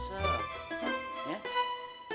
ntar akhirnya lu sendiri yang nyesel